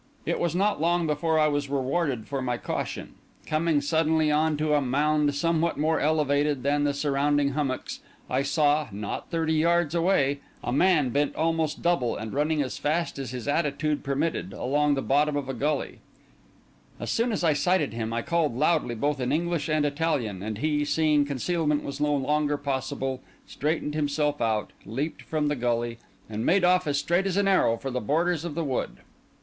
It was not long before I was rewarded for my caution. Coming suddenly on to a mound somewhat more elevated than the surrounding hummocks, I saw, not thirty yards away, a man bent almost double, and running as fast as his attitude permitted, along the bottom of a gully. I had dislodged one of the spies from his ambush. As soon as I sighted him, I called loudly both in English and Italian; and he, seeing concealment was no longer possible, straightened himself out, leaped from the gully, and made off as straight as an arrow for the borders of the wood.